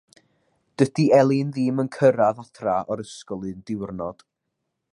Dydi Elin ddim yn cyrraedd adref o'r ysgol un diwrnod.